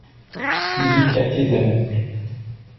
dix-huit quartier de la Gonfle